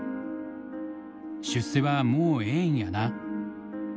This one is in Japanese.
「出世はもうええんやな」。